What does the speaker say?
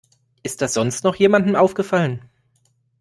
Ist das sonst noch jemandem aufgefallen?